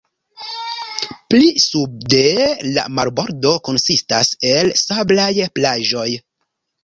Pli sude la marbordo konsistas el sablaj plaĝoj.